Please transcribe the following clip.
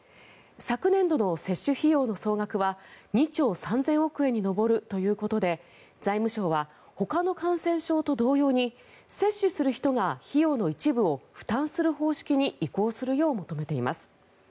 昨年度の接種費用の総額は２兆３０００億円に上るということで財務省はほかの感染症と同様に接種する人が費用の一部を負担する方式に移行するよう求めています。